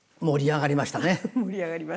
盛り上がりました。